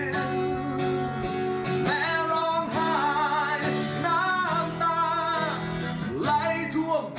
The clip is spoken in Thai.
แต่อยากจะรอเพลงให้พ่อได้ยินว่าฉันรักพ่อ